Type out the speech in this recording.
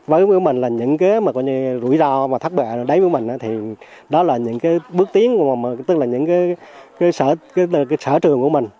với mình là những rủi ro và thắt bẹ đó là những bước tiến tức là những sở trường của mình